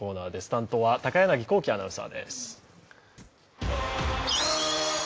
担当は高柳光希アナウンサーです。